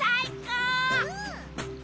うん！